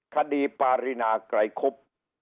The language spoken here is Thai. คดีปารีนาไกรคุบ